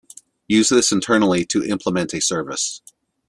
Use this internally to implement a service.